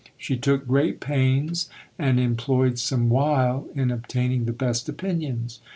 She took great pains, and employed some wile in obtaining the best opinions.